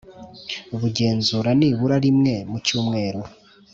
bugenzura nibura rimwe mu cyumweru